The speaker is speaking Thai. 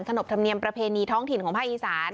นบธรรมเนียมประเพณีท้องถิ่นของภาคอีสาน